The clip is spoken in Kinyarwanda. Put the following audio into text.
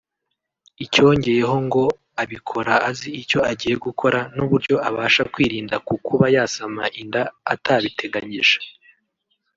icyongeyeho ngo abikora azi icyo agiye gukora n’uburyo abasha kwirinda ku kuba yasama inda atabiteganyije